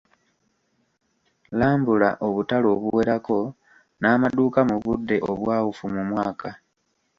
Lambula obutale obuwerako n’amaduuka mu budde obwawufu mu mwaka.